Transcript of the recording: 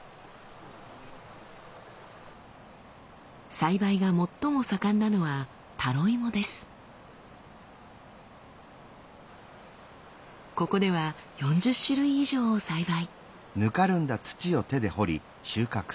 栽培が最も盛んなのはここでは４０種類以上を栽培。